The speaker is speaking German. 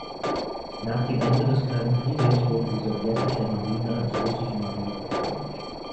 Nach dem Ende des Kalten Krieges wurde die sowjetische Marine als Russische Marine reformiert.